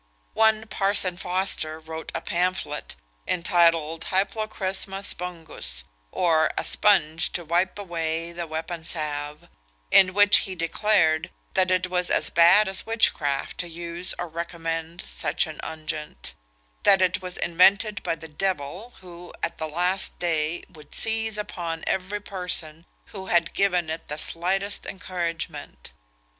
One "Parson Foster" wrote a pamphlet, entitled Hyplocrisma Spongus; or, a Spunge to wipe away the Weapon Salve; in which he declared, that it was as bad as witchcraft to use or recommend such an unguent; that it was invented by the Devil, who, at the last day, would seize upon every person who had given it the slightest encouragement.